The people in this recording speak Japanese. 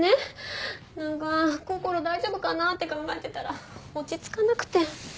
なんかこころ大丈夫かなって考えてたら落ち着かなくて。